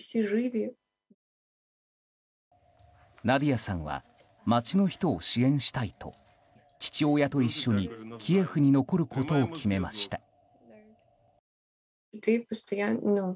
ナディヤさんは街の人を支援したいと父親と一緒にキエフに残ることを決めました。